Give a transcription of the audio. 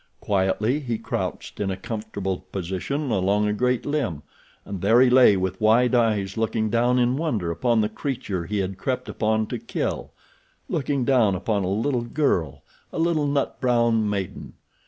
Quietly he crouched in a comfortable position along a great limb and there he lay with wide eyes looking down in wonder upon the creature he had crept upon to kill—looking down upon a little girl, a little nut brown maiden.